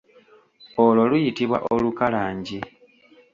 Olwo luyitibwa olukalangi.